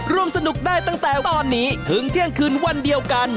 ร่วมสนุกได้ตั้งแต่ตอนนี้ถึงเที่ยงคืนวันเดียวกัน